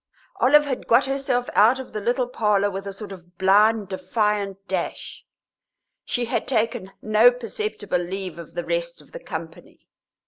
Olive had got herself out of the little parlour with a sort of blind, defiant dash; she had taken no perceptible leave of the rest of the company.